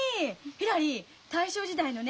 ひらり大正時代のね